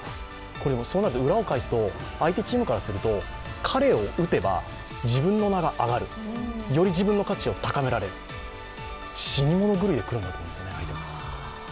そうなると裏を返すと相手チームからすると彼を打てば自分の名が上がるより自分の価値を高められる、死に物狂いでくるんですね、やはり。